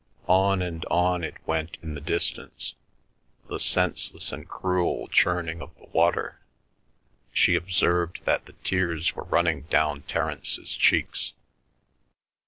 On and on it went in the distance, the senseless and cruel churning of the water. She observed that the tears were running down Terence's cheeks.